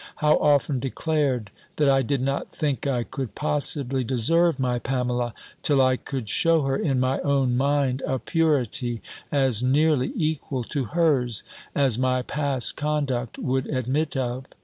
How often declared, that I did not think I could possibly deserve my Pamela, till I could shew her, in my own mind, a purity as nearly equal to hers, as my past conduct would admit of!